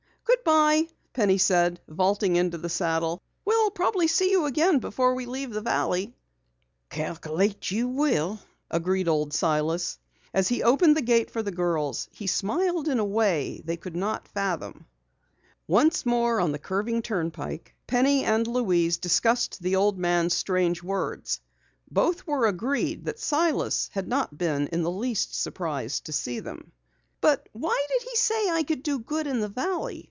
"Goodbye," Penny said, vaulting into the saddle. "We'll probably see you again before we leave the valley." "Calculate you will," agreed Old Silas. As he opened the gate for the girls he smiled in a way they could not fathom. Once more on the curving turnpike, Penny and Louise discussed the old man's strange words. Both were agreed that Silas had not been in the least surprised to see them. "But why did he say I could do good in the valley?"